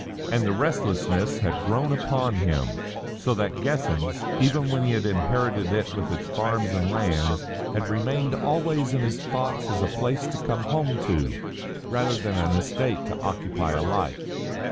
And the restlessness had grown upon him, so that "Guessens," even when he had inherited it with its farms and lands, had remained always in his thoughts as a place to come home to rather than an estate to occupy a life.